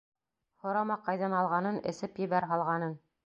Һорама ҡайҙан алғанын, эсеп ебәр һалғанын!